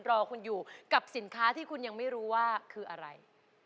รอคุณอยู่กับสินค้าที่คุณยังไม่รู้ว่าคืออะไร